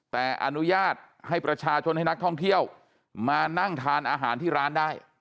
แต่อนุญาตให้ประชาชนให้นักท่องเที่ยวมานั่งทานอาหารที่ร้านได้